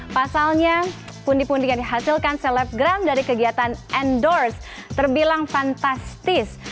pasalnya pundi pundi yang dihasilkan selebgram dari kegiatan endorse terbilang fantastis